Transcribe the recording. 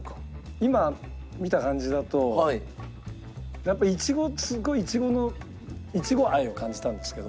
今見た感じだとやっぱりイチゴすごいイチゴのイチゴ愛を感じたんですけど。